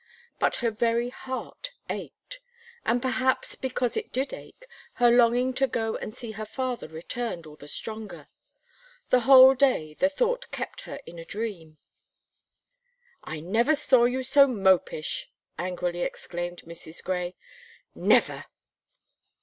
But her very heart ached; and, perhaps, because it did ache, her longing to go and see her father returned all the stronger. The whole day, the thought kept her in a dream. "I never saw you so mopish," angrily exclaimed Mrs. Gray, "never!"